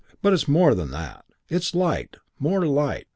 But it's more than that. It's Light: more light.